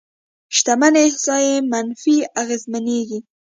شتمنۍ احصایې منفي اغېزمنېږي.